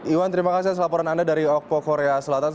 iwan terima kasih atas laporan anda dari okpo korea selatan